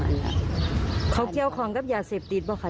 พัจจุดดีเองนับเอายทศพ